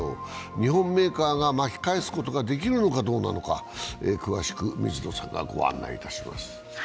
日本メーカーが巻き返すことができるのかどうかなのか、詳しく、水野さんがご案内いたします。